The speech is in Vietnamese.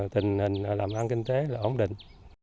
tình hình làm ăn kinh tế là ổn định